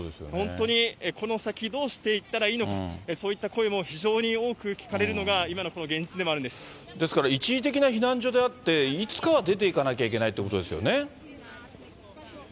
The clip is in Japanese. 本当にこの先どうしていったらいいのか、そういった声も非常に多く聞かれるのが、ですから、一時的な避難所であって、いつかは出て行かなきゃいけないってことですよね。